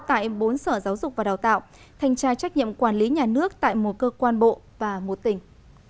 tại bốn sở giáo dục và đào tạo thanh tra trách nhiệm quản lý nhà nước tại một cơ quan bộ và một tỉnh